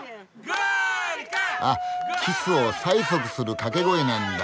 あキスを催促する掛け声なんだ。